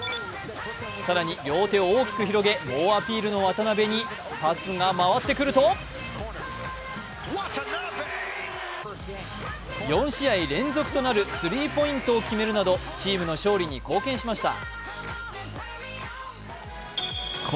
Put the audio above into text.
更に両手を大きく広げ猛アピールの渡邊にパスが回ってくると４試合連続となるスリーポイントを決めるなどチームの勝利に貢献しました。